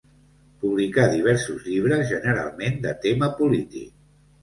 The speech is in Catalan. Publicà diversos llibres, generalment de tema polític.